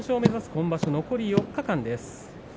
今場所、残り４日間です。